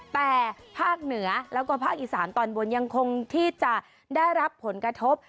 แต่ภาคเหนือแล้วก็ภาคอีสานตอนบนยังคงที่จะได้รับผลกระทบ